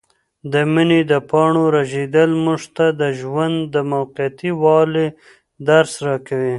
د مني د پاڼو رژېدل موږ ته د ژوند د موقتي والي درس راکوي.